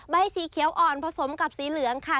ใบสีเขียวอ่อนผสมกับสีเหลืองค่ะ